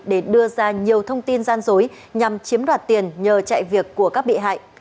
để đưa ra nhiều thông tin gian dối nhằm chiếm đoạt tiền nhờ chạy việc của các bị hại